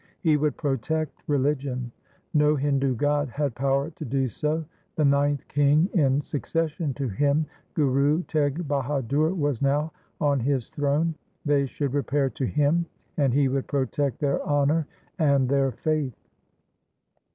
He would protect religion. No Hindu god had power to do so. The ninth king in succession to him, Guru Teg Bahadur, was now on his throne. They should repair to him, and he would protect their honour and their faith.